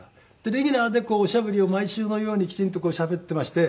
レギュラーでおしゃべりを毎週のようにきちんとしゃべっていまして。